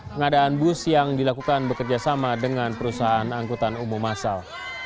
pengadaan bus yang dilakukan bekerjasama dengan perusahaan angkutan umum asal